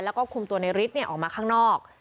แล้วก็คุมตัวในฤทธิ์ออกมาข้างนอก